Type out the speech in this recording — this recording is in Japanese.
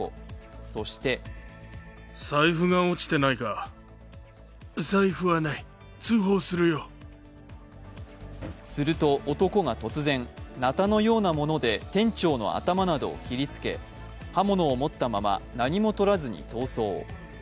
そしてすると、男が突然なたのようなもので店長の頭などを切りつけ刃物を持ったまま何もとらずに逃走。